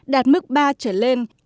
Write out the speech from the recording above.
đạt mức ba trở lên